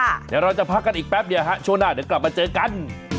เดี๋ยวเราจะพักกันอีกแป๊บเดียวฮะช่วงหน้าเดี๋ยวกลับมาเจอกัน